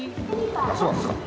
そうなんですか？